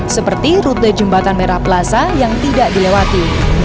seperti rute jembatan merah plaza yang tidak dilewati